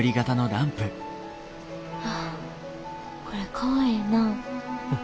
これかわいいなあ。